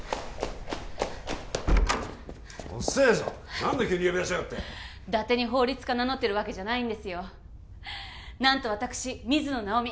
何だ急に呼び出しやがってだてに法律家名乗ってるわけじゃないんですよ何と私水野直美